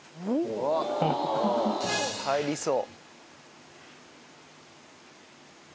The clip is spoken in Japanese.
入りそう。